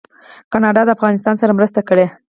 کاناډا د افغانستان سره مرسته کړې.